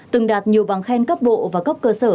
từng đạt nhiều bằng khen cấp bộ và cấp cơ sở